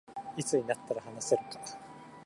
いつになったら話せるか